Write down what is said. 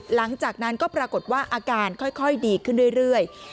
หลังจากนั้นก็ปรากฏว่าอาการค่อยดีขึ้นเรื่อย